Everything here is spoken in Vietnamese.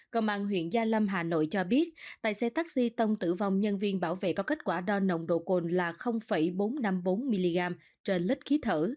công an huyện gia lâm hà nội cho biết tài xế taxi tông tử vong nhân viên bảo vệ có kết quả đo nồng độ cồn là bốn trăm năm mươi bốn mg trên lít khí thở